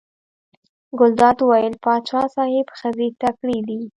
ګلداد وویل: پاچا صاحب ښځې تکړې دي.